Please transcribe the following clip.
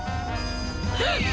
フッ！